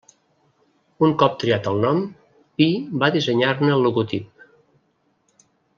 Un cop triat el nom, Pi va dissenyar-ne el logotip.